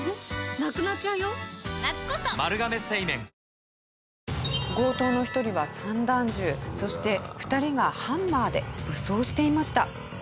ＳＵＮＴＯＲＹ強盗の１人は散弾銃そして２人はハンマーで武装していました。